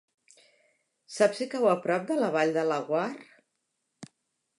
Saps si cau a prop de la Vall de Laguar?